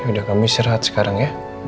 ya udah kamu istirahat sekarang ya